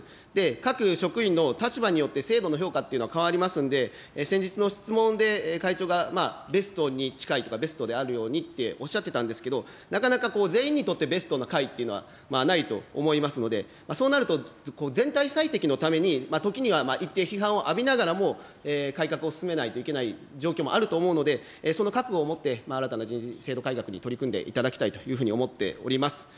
各職員の立場によって制度の評価というのは変わりますんで、先日の質問で会長がまあ、ベストに近いとか、ベストであるようにっておっしゃってたんですけど、なかなか全員にとってベストな解というのはないと思いますので、そうなると全体最適のために時には一定批判を浴びながらも、改革を進めないといけない状況もあると思うので、その覚悟を持って新たな人事制度改革に取り組んでいただきたいというふうに思っております。